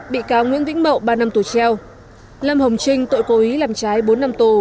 bị cáo nguyễn vĩnh mậu ba năm tù treo lâm hồng trinh tội cố ý làm trái bốn năm tù